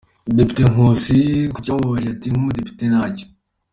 Depite Nkusi ku cyamubabaje ati “Nk’umudepite ntacyo.